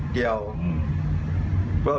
ปล่อยละครับ